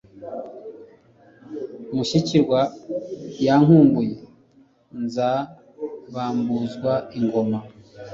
Mushyikirwa yankumbuye Nzabambuzwa ingoma